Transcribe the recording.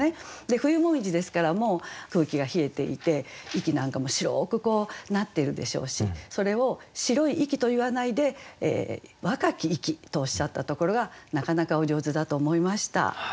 で冬紅葉ですからもう空気が冷えていて息なんかも白くなっているでしょうしそれを「白い息」と言わないで「若き息」とおっしゃったところがなかなかお上手だと思いました。